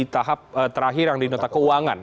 tahap terakhir yang dinotak keuangan